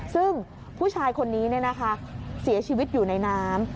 ซึ่งผู้ชายคนนี้เสียชีวิตอยู่ในน้ำ